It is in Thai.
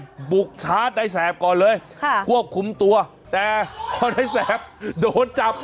บุกชาร์จในแสบก่อนเลยค่ะควบคุมตัวแต่พอในแสบโดนจับ